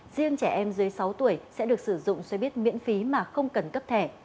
riêng trẻ em dưới sáu tuổi sẽ được sử dụng xoay bít miễn phí mà không cần cấp thẻ